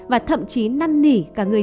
và thậm chí năn nỉ cả người